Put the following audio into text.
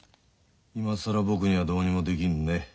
今更僕にはどうにもできんね。